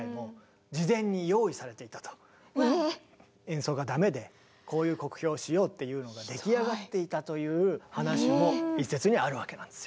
演奏がダメでこういう酷評をしようっていうのが出来上がっていたという話も一説にはあるわけなんですよ。